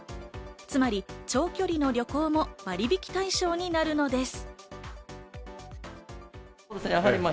つまり長距離の旅行も割引対象になるのです。